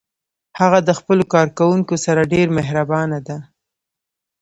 هغه د خپلو کارکوونکو سره ډیر مهربان ده